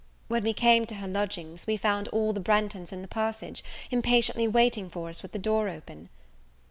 When we came to her lodgings we found all the Branghtons in the passage, impatiently waiting for us with the door open.